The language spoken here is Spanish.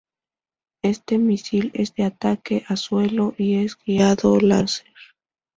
Este misil es de ataque a suelo y es guiado láser.